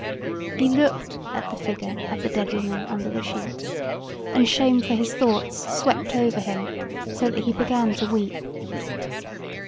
He looked at the figure of the dead woman under the sheets and shame for his thoughts swept over him so that he began to weep.